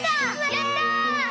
やった！